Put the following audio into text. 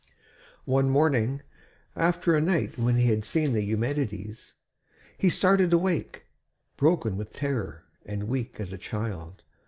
One morning, after a night when he had seen the Eumenides, he started awake, broken with terror and weak as a child.